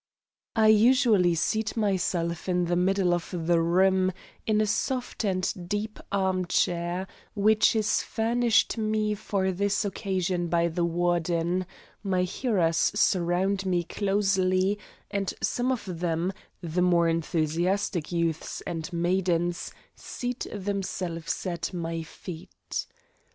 I usually seat myself in the middle of the room, in a soft and deep armchair, which is furnished me for this occasion by the Warden; my hearers surround me closely, and some of them, the more enthusiastic youths and maidens, seat themselves at my feet.